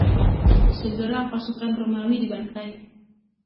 Segera pasukan Romawi dibantai.